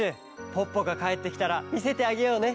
ポッポがかえってきたらみせてあげようね！